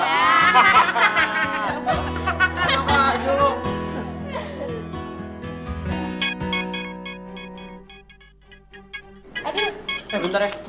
eh bentar ya